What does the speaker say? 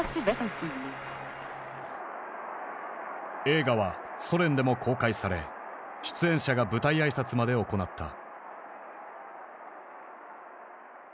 映画はソ連でも公開され出演者が舞台挨拶まで行った。